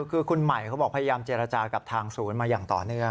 คือคุณใหม่เขาบอกพยายามเจรจากับทางศูนย์มาอย่างต่อเนื่อง